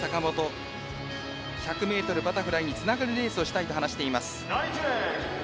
１００ｍバタフライにつながるレースをしたいと話しています。